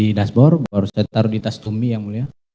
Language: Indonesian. di dashboard baru saya taruh di tas tumi yang mulia